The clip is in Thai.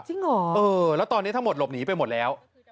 จริงเหรอเออแล้วตอนนี้ทั้งหมดหลบหนีไปหมดแล้ว